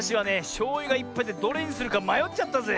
しょうゆがいっぱいでどれにするかまよっちゃったぜ。